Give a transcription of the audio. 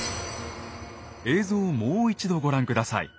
映像をもう一度ご覧下さい。